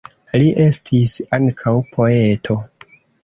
Li estis ankaŭ poeto.